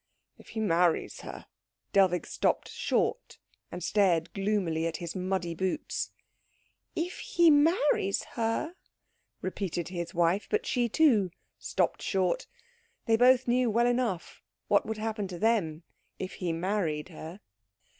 "If he marries her " Dellwig stopped short, and stared gloomily at his muddy boots. "If he marries her " repeated his wife; but she too stopped short. They both knew well enough what would happen to them if he married her.